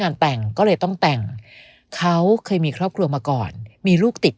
งานแต่งก็เลยต้องแต่งเขาเคยมีครอบครัวมาก่อนมีลูกติด